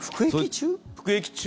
服役中？